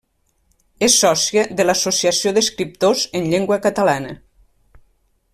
És sòcia de l'Associació d'Escriptors en Llengua Catalana.